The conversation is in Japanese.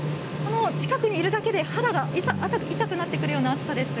近くにいるだけで肌が痛くなるような熱さです。